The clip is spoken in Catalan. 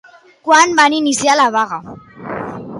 Quan van iniciar la vaga?